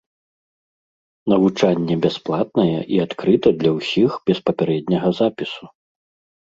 Навучанне бясплатнае і адкрыта для ўсіх без папярэдняга запісу.